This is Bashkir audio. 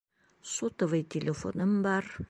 Сотовый телефоным бар.